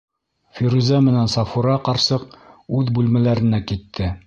Фирүзә менән Сафура ҡарсыҡ үҙ бүлмәләренә китте.